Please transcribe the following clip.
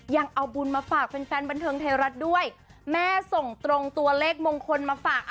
ยังเอาบุญมาฝากแฟนแฟนบันเทิงไทยรัฐด้วยแม่ส่งตรงตัวเลขมงคลมาฝาก